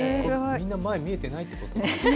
みんな前見えてないということですね。